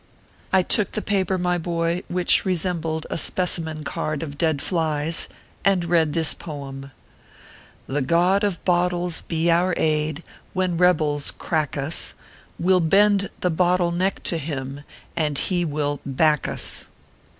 I took the paper, my boy, which resembled a speci men card of dead flies, and read this poem :" The God of Bottles bo our aid, When rebels crack us; "We ll bend the bottle neck to him, And he will Bacchus.